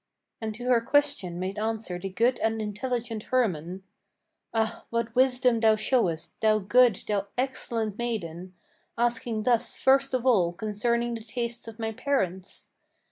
And to her question made answer the good and intelligent Hermann: "Ah, what wisdom thou showest, thou good, thou excellent maiden, Asking thus first of all concerning the tastes of my parents!